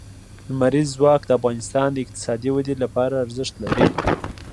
لمریز ځواک د افغانستان د اقتصادي ودې لپاره ارزښت لري.